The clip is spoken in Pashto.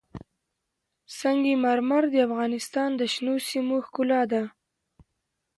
سنگ مرمر د افغانستان د شنو سیمو ښکلا ده.